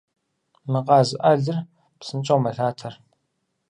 Мы къаз ӏэлыр псынщӏэу мэлъатэр.